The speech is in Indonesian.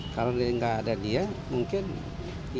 kalau gak ada dia mungkin ya